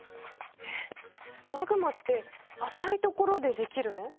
えっマグマって浅いところでできるの？